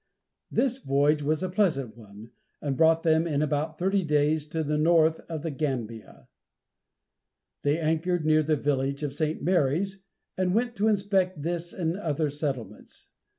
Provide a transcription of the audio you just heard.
This voyage was a pleasant one, and brought them in about thirty days to the mouth of the Gambia. They anchored near the village of St. Mary's, and went to inspect this and other settlements.